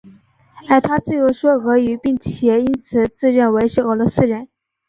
而他自幼说俄语并且因此自认为是俄罗斯人。